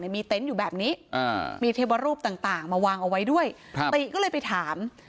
มีเต็นต์อยู่แบบนี้มีเทวรูปต่างมาวางเอาไว้ด้วยติก็เลยไปถาม